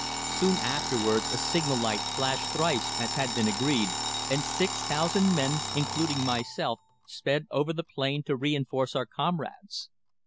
Soon afterwards a signal light flashed thrice, as had been agreed, and six thousand men, including myself, sped over the plain to reinforce our comrades.